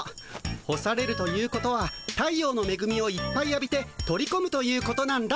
干されるということは太陽のめぐみをいっぱいあびて取りこむということなんだ。